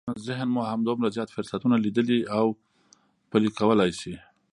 ذهن مو همدومره زیات فرصتونه ليدلی او پلي کولای شي.